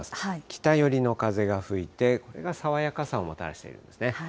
北寄りの風が吹いて、これが爽やかさをもたらしているんですね。